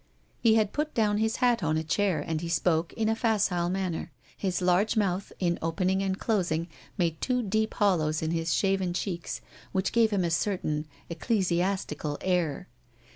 He had put down his hat on a chair, and he spoke in a facile manner. His large mouth, in opening and closing, made two deep hollows in his shaven cheeks, which gave him a certain ecclesiastical air.